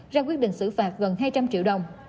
ra quyết định xử phạt gần hai trăm linh triệu đồng